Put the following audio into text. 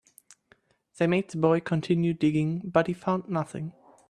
They made the boy continue digging, but he found nothing.